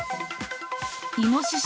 イノシシ